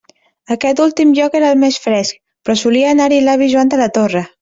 Aquest últim lloc era el més fresc, però solia anar-hi l'avi Joan de la Torre.